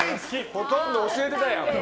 ほとんど教えてたやん！